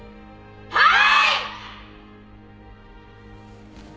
はい！